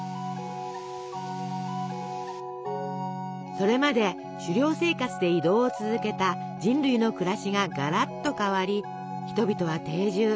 それまで狩猟生活で移動を続けた人類の暮らしががらっと変わり人々は定住。